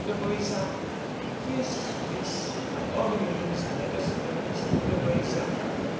de Brésac." "Yes, yes, by all means let us hear M. de Brésac."